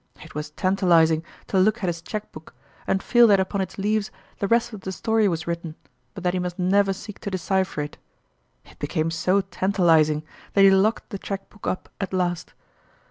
It was tantaliz 5 ing to look at his cheque book and feel that upon its leaves the rest of the story was writ ten, but that he must never seek to decipher it : it became so tantalizing, that he locked the cheque book up at last.